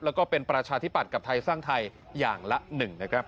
แล้วก็เป็นประชาธิปัตย์กับไทยสร้างไทยอย่างละหนึ่งนะครับ